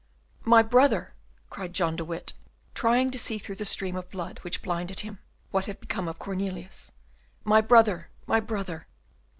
"My brother!" cried John de Witt, trying to see through the stream of blood which blinded him, what had become of Cornelius; "my brother, my brother!"